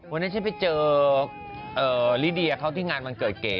วันนี้ฉันไปเจอลิเดียเขาที่งานวันเกิดเก๋